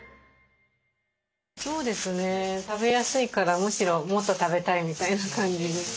食べやすいからむしろもっと食べたいみたいな感じに。